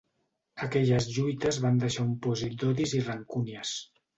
Aquelles lluites van deixar un pòsit d'odis i rancúnies.